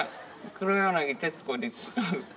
黒柳徹子です。